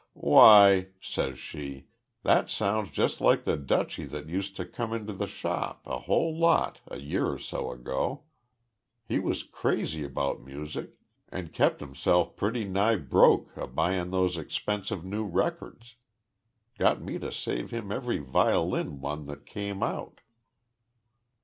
'Why!' says she, 'that sounds just like the Dutchy that used to come into th' shop a whole lot a year or so ago. He was crazy about music an' kep' himself pretty nigh broke a buyin' those expensive new records. Got me to save him every violin one that came out.'"